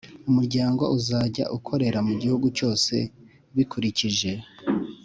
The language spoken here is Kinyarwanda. Umuryango uzajya ukorera mu gihugu cyose bikurikije